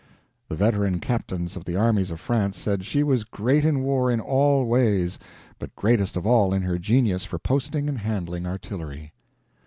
The veteran captains of the armies of France said she was great in war in all ways, but greatest of all in her genius for posting and handling artillery.